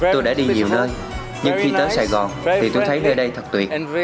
tôi đã đi nhiều nơi nhưng khi tới sài gòn thì tôi thấy nơi đây thật tuyệt